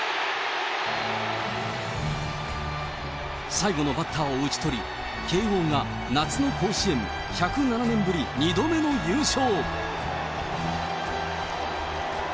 最後のバッターを打ち取り、慶応が夏の甲子園１０７年ぶり２度目の優勝。